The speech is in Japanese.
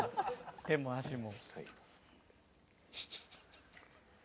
手も足も」